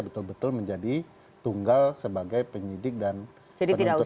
betul betul menjadi tunggal sebagai penyidik dan penuntut